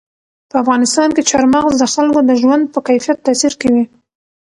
په افغانستان کې چار مغز د خلکو د ژوند په کیفیت تاثیر کوي.